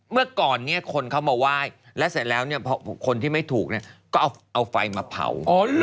เมื่อก่อนคนเขามาไหว้และเสร็จแล้วคนที่ไม่ถูกก็เอาไฟมาเผา